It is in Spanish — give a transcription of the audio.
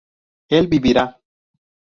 él vivirá